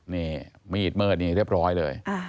นี่มีดมืดนี่เรียบร้อยเลย